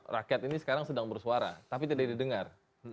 rakyat ini sekarang sedang bersuara tapi tidak didengar